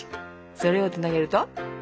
それをつなげると？